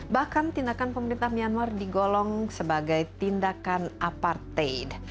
bahkan tindakan pemerintah myanmar digolong sebagai tindakan aparted